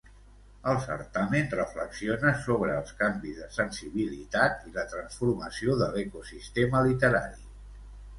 El certamen reflexiona sobre els canvis de sensibilitat i la transformació de l'ecosistema literari.